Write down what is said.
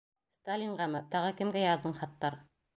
— Сталинғамы, тағы кемгә яҙҙың хаттар?